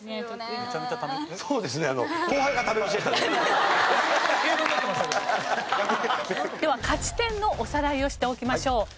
では勝ち点のおさらいをしておきましょう。